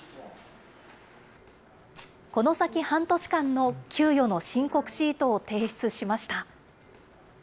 この先、半年間の給与の申告シートを提出しました。